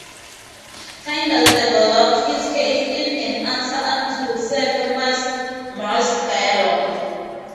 Tyndale developed his case in "An Answer unto Sir Thomas More's Dialogue".